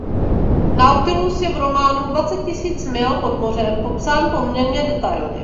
Nautilus je v románu "Dvacet tisíc mil pod mořem" popsán poměrně detailně.